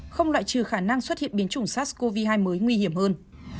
không loại trừ khả năng xuất hiện biến chủng sars cov hai mới nguy hiểm hơn